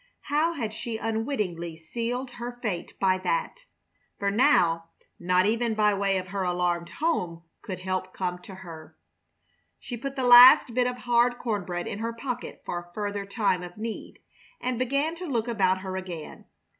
How had she unwittingly sealed her fate by that! For now not even by way of her alarmed home could help come to her. She put the last bit of hard corn bread in her pocket for a further time of need, and began to look about her again.